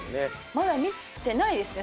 まだ見てないですね